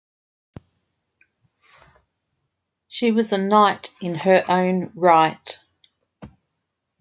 She was a knight in her own right.